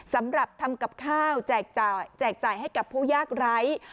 สำหรับทำกับข้าวแจกจ่ายให้กับผู้ยากไร้